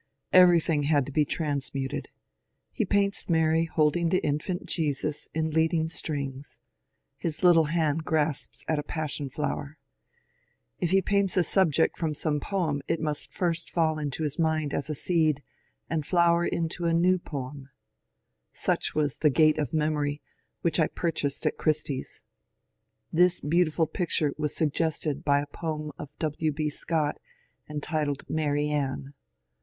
Everything had to be transmuted. He paints Maiy holding the infant Jesus in leading strings ; his little hand grasps at a passion flower. If he paints a subject from some poem it must first fall into his mind as a seed and flower into a new poem. Such was the ^^ Grate of Memory," which I pur chased at Christie's. This beautiful picture was suggested by a poem of W. B. Scott, entitled *^ Mary Anne."